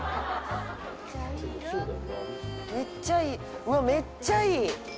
「めっちゃいいうわっめっちゃいい！」